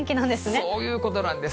そういうことなんです。